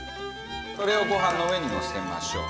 それをご飯の上にのせましょう。